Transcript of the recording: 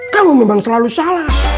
kamu memang selalu salah